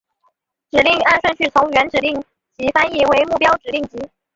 指令按顺序从原指令集翻译为目标指令集。